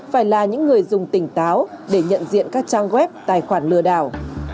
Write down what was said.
phải là những người dùng tỉnh táo để nhận diện các trang web tài khoản lừa đảo